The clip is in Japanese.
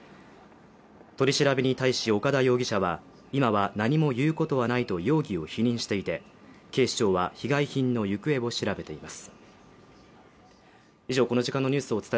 取り調べに対し岡田容疑者は今は何も言うことはないと容疑を否認していて、警視庁は被害品の行方を調べています。